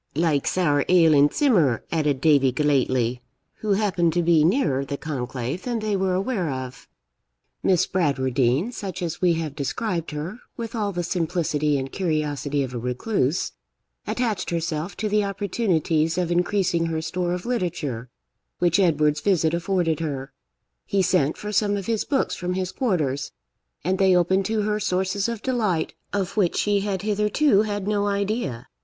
'Like sour ale in simmer,' added Davie Gellatley, who happened to be nearer the conclave than they were aware of. Miss Bradwardine, such as we have described her, with all the simplicity and curiosity of a recluse, attached herself to the opportunities of increasing her store of literature which Edward's visit afforded her. He sent for some of his books from his quarters, and they opened to her sources of delight of which she had hitherto had no idea.